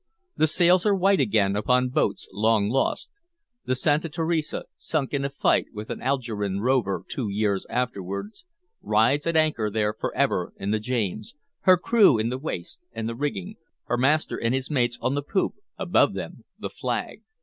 The sails are white again upon boats long lost; the Santa Teresa, sunk in a fight with an Algerine rover two years afterward, rides at anchor there forever in the James, her crew in the waist and the rigging, her master and his mates on the poop, above them the flag.